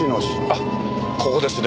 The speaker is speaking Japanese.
あっここですね。